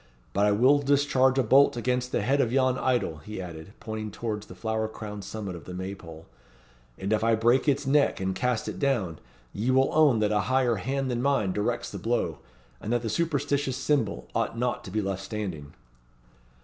"But I will discharge a bolt against the head of yon idol," he added, pointing towards the flower crowned summit of the May pole; "and if I break its neck and cast it down, ye will own that a higher hand than mine directs the blow, and that the superstitious symbol ought not to be left standing."